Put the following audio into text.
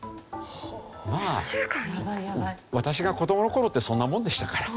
私が子供の頃ってそんなもんでしたから。